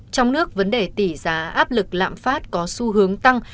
trong nước vấn đề tỷ giá áp lực lạm phát có xu hướng tăng